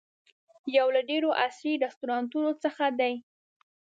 یو له ډېرو عصري رسټورانټونو څخه دی.